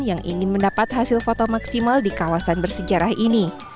yang ingin mendapat hasil foto maksimal di kawasan bersejarah ini